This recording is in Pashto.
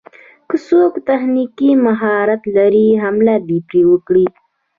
که څوک تخنيکي مهارت لري حمله دې پرې وکړي.